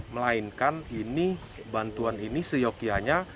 melainkan ini bantuan ini seyokianya